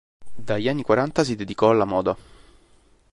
Dagli anni quaranta si dedicò alla moda.